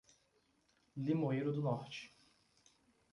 Limoeiro do Norte